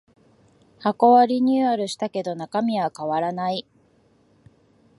箱はリニューアルしたけど中身は変わらない